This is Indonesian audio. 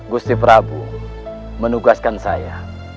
gusti prabu menugaskan saya